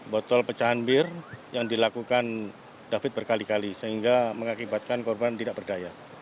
botol pecahan bir yang dilakukan david berkali kali sehingga mengakibatkan korban tidak berdaya